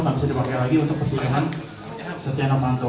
atau bisa dipakai lagi untuk kesulianan setianofanto